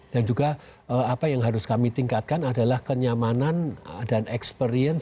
dan juga apa yang harus kami tingkatkan adalah kenyamanan